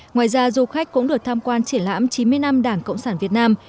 ngoài ra du khách cũng được tham quan triển lãm chín mươi năm đảng cộng sản việt nam